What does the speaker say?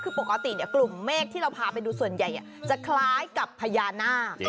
คือปกติกลุ่มเมฆที่เราพาไปดูส่วนใหญ่จะคล้ายกับพญานาค